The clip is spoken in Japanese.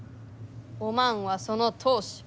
おまんはその当主。